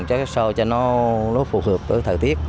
cho nó phù hợp với thời tiết